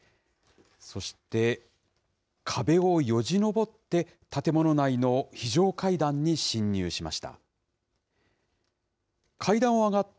そして、壁をよじ登って、建物内の非常階段に侵入しました。